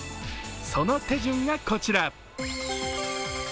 その手順がこちら。